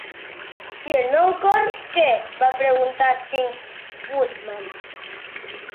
"I el meu cor, què?", va preguntar Tin Woodman.